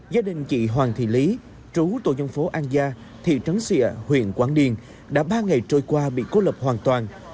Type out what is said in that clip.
gia đình chị hoàng thị lý trú tổ dân phố an gia thị trấn xịa huyện quảng điền đã ba ngày trôi qua bị cô lập hoàn toàn